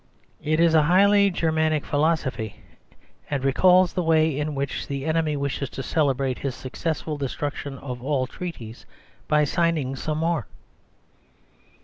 It is a highly German philosophy; and recalls the way in which the enemy wishes to cele brate his successful destruction of all treaties by signing some more.